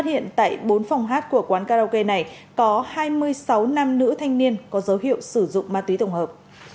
phát hiện tại bốn phòng hát của quán karaoke này có hai mươi sáu nam nữ thanh niên có dấu hiệu sử dụng ma túy tổng hợp